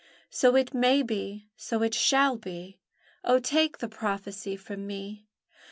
So it may be, so it shall be, O, take the prophecy from me!